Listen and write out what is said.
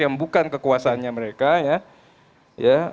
yang bukan kekuasaannya mereka ya